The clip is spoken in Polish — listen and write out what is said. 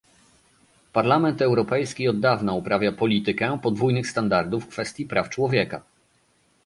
Parlament Europejski od dawna uprawia politykę podwójnych standardów w kwestii praw człowieka